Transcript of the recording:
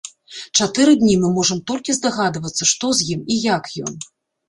Чатыры дні мы можам толькі здагадвацца, што з ім і як ён.